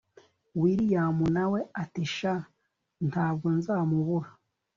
william nawe ati sha ntabwo nzamubura